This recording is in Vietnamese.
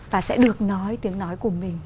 và sẽ được nói tiếng nói của mình